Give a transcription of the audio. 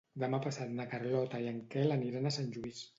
Demà passat na Carlota i en Quel aniran a Sant Lluís.